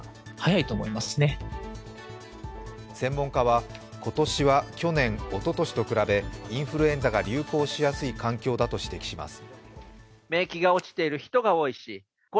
専門家は、今年は去年、おととしと比べインフルエンザが流行しやすい環境だと指摘します。